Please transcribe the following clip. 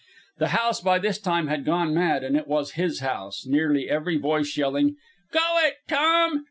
The house by this time had gone mad, and it was his house, nearly every voice yelling: "Go it, Tom!"